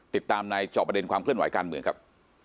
ติดตามในจอบประเด็นความเคลื่อนไหวการเมืองครับ